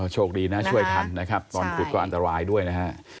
โชคดีนะช่วยทันนะครับตอนขุดก็อันตรายด้วยนะฮะ